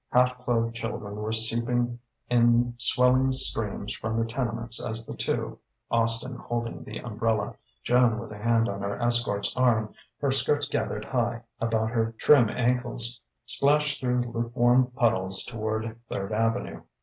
Half clothed children were seeping in swelling streams from the tenements as the two Austin holding the umbrella, Joan with a hand on her escort's arm, her skirts gathered high about her trim ankles splashed through lukewarm puddles toward Third Avenue.